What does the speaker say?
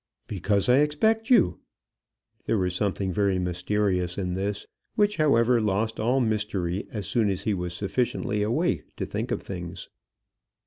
"Because I expect you." There was something very mysterious in this, which, however, lost all mystery as soon as he was sufficiently awake to think of things.